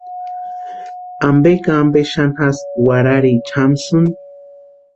¿Ampe ka ampe xani jasï warharicha jamsïni.